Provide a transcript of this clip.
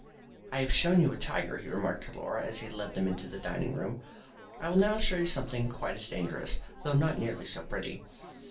"I have shown you a tiger," he remarked to Laura, as he led them into the dining room. "I will now show you something quite as dangerous, though not nearly so pretty."